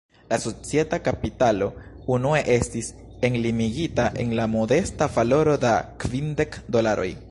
La societa kapitalo, unue estis enlimigita en la modesta valoro da kvindek dolaroj.